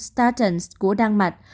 statens của đan mạch